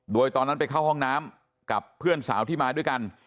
โดยตอนนั้นไปเข้าห้องน้ำกับเพื่อนสาวที่มาด้วยกัน